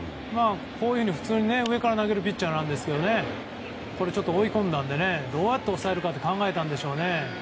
普通に、上から投げるピッチャーなんですが追い込んだのでどうやって抑えるかって考えたんでしょうね。